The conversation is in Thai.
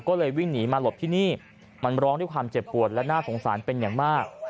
ก็เลยวิ่งหนีมาหลบที่นี่มันร้องด้วยความเจ็บปวดและน่าสงสารเป็นอย่างมาก